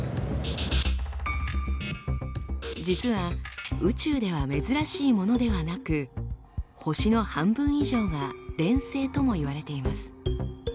実は宇宙では珍しいものではなく星の半分以上が連星ともいわれています。